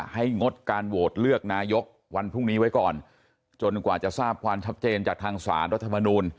งดการโหวตเลือกนายกวันพรุ่งนี้ไว้ก่อนจนกว่าจะทราบความชัดเจนจากทางสารรัฐมนูล